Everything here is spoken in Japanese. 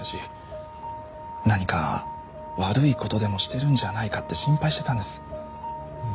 何か悪い事でもしてるんじゃないかって心配してたんです。